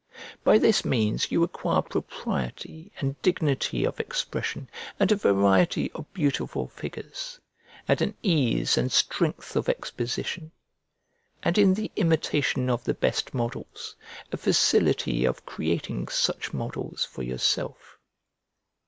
By this means you acquire propriety and dignity of expression, and a variety of beautiful figures, and an ease and strength of exposition, and in the imitation of the best models a facility of creating such models for yourself.